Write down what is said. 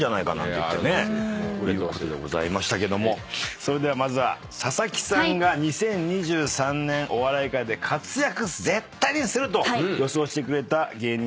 それではまずは佐々木さんが２０２３年お笑い界で活躍絶対すると予想してくれた芸人さんから見てみましょう。